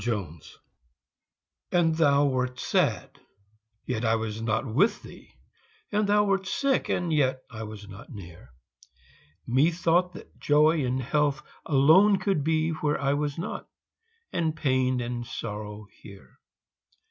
And thou wert sad yet I was not with thee; And thou wert sick, and yet I was not near; Methought that Joy and Health alone could be Where I was not and pain and sorrow here!